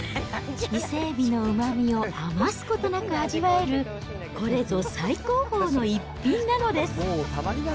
伊勢海老のうまみを余すことなく味わえる、これぞ最高峰の逸品なのです。